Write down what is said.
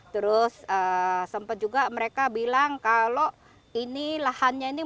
terus sempat juga mereka bilang kalau ini lahannya ini